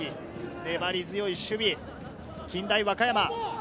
粘り強い守備、近大和歌山。